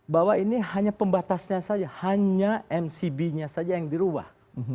bahwa ini hanya pembatasnya saja hanya mcb nya saja yang dirubah